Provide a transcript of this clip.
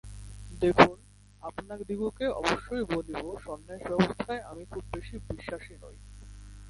দেখুন, আপনাদিগকে অবশ্যই বলিব সন্ন্যাস-ব্যবস্থায় আমি খুব বেশী বিশ্বাসী নই।